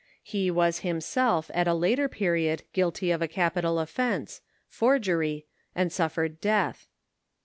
He was himself at a later period guilty of a capital offense,— for gery — and suffered death.